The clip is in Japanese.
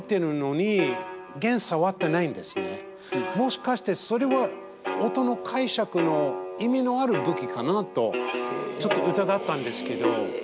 もしかしてそれは音の解釈の意味のある武器かなとちょっと疑ったんですけど。